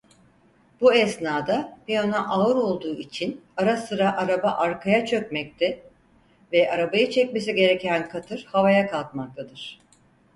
Bu esnada piyano ağır olduğu için ara sıra araba arkaya çökmekte ve arabayı çekmesi gereken katır havaya kalkmaktadır.